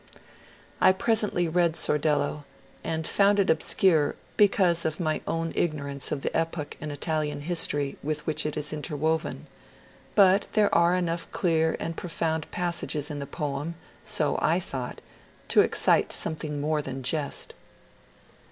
I presently read ^' Sor dello " and found it obscure because of my ignorance of the epoch in Italian history with which it is interwoven, but there are enough clear and profound passages in the poem (so I thought) to excite something more than jest.